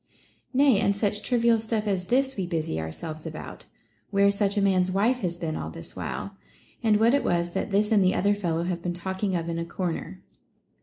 Nay, and such trivial stuff as this we busy our selves about, — where such a man's wife has been all this while ; and what it was, that this and the other fellow have been talking of in a corner.